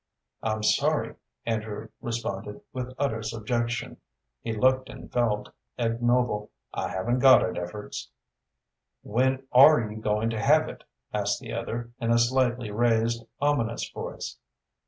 "I'm sorry," Andrew responded, with utter subjection. He looked and felt ignoble. "I haven't got it, Evarts." "When are you going to have it?" asked the other, in a slightly raised, ominous voice.